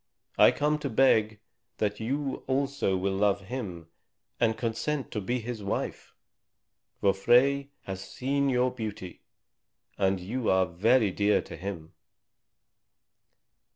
I come to beg that you also will love him and consent to be his wife. For Frey has seen your beauty, and you are very dear to him."